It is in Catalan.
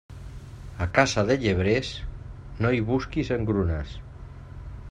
A casa de llebrers, no hi busquis engrunes.